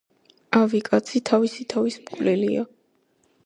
ავი კაცი თავისი თავის მკვლელია